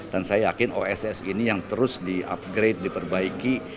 dan saya yakin oss ini yang terus di upgrade diperbaiki